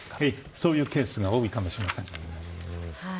そういうケースが多いかもしれません。